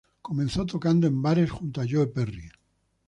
Comenzó tocando en bares junto a Joe Perry.